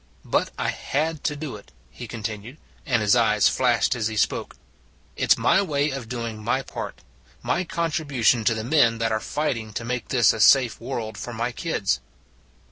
" But I had to do it," he continued, and his eyes flashed as he spoke. " It s my way of doing my part my contribution to the men that are fighting to make this a safe world for my kids."